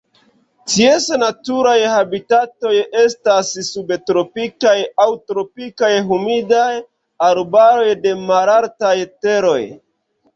Ties naturaj habitatoj estas subtropikaj aŭ tropikaj humidaj arbaroj de malaltaj teroj.